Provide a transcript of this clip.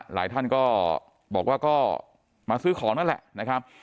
หลายท่านก็บอกว่าก็มาซื้อของนั่นแหละนะครับ